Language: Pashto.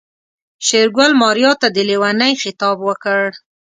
شېرګل ماريا ته د ليونۍ خطاب وکړ.